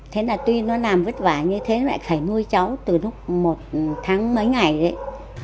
thế là tuy nó làm vất vả như thế lại phải nuôi cháu từ lúc một tháng mấy ngày đấy